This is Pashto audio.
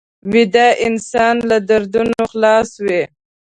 ویده انسان له دردونو خلاص وي